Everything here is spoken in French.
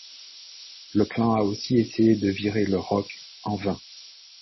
Le clan a aussi essayé de virer le Rock en vain.